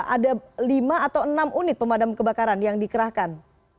ada lima atau enam unit pemadam kebakaran yang dikerahkan